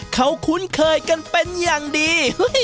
เขาคุ้นเคยกันเป็นอย่างดี